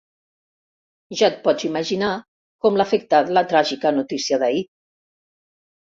Ja et pots imaginar com l'ha afectat la tràgica notícia d'ahir.